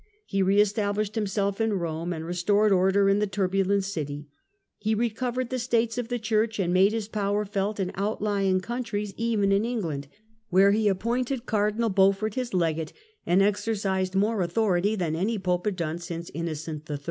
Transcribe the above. He re established himself in Rome, and re stored order in the turbulent city ; he recovered the States of the Church, and made his power felt in outly ing countries, even in England where he appointed Cardinal Beaufort his legate, and exercised more au thority than any Pope had done since Innocent III.